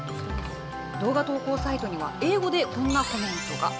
動画投稿サイトには、英語でこんなコメントが。